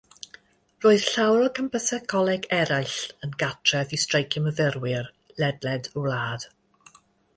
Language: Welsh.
Roedd llawer o gampysau coleg eraill yn gartref i streiciau myfyrwyr ledled y wlad.